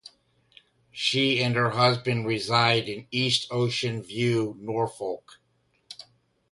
She and her husband reside in East Ocean View, Norfolk.